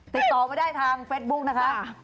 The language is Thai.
ติดต่อมาได้ทางเฟซบุ๊กนะคะ